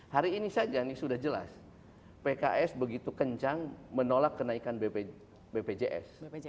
hari ini saja ini sudah jelas pks begitu kencang menolak kenaikan bpjs